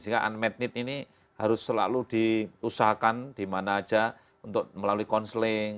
sehingga unmet need ini harus selalu diusahakan dimana saja untuk melalui counseling